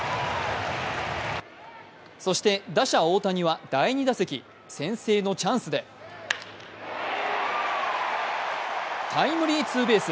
そして打者・大谷は第２打席、先制のチャンスでタイムリーツーベース。